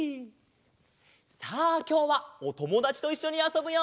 さあきょうはおともだちといっしょにあそぶよ！